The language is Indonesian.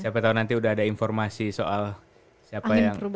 siapa tahu nanti sudah ada informasi soal siapa yang